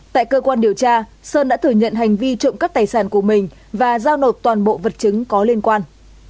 tại cơ quan điều tra sơn đã thừa nhận hành vi trộm cắp tài sản của mình và giao nộp toàn bộ vật chứng có liên quan